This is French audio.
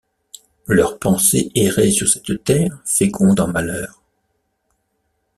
Leurs pensées erraient sur cette terre féconde en malheurs.